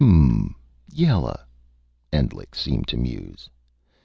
"Hmm yella," Endlich seemed to muse.